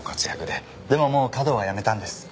でももう華道はやめたんです。